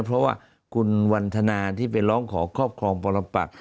เพราะว่าคุณวันทนาที่ไปร้องขอครอบครองปรปัก